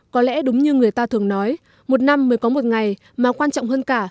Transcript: có lẽ đúng như người ta thường nói một năm mới có một ngày mà quan trọng hơn cả